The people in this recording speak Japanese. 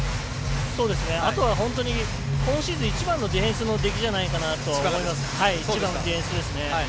あとは本当に今シーズン一番のディフェンスの出来ではないかなと思います、千葉のディフェンス。